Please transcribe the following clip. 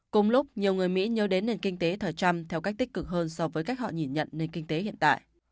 cùng lúc nhiều người mỹ nhớ đến nền kinh tế thời trăm theo cách tích cực hơn so với cách họ nhìn nhận nền kinh tế hiện tại